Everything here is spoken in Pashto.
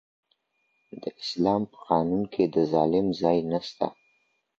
د اسلام په قانون کي د ظالم ځای نسته.